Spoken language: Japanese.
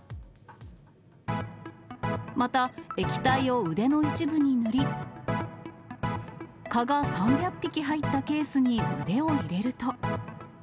また、液体を腕の一部に塗り、蚊が３００匹入ったケースに腕を入れると。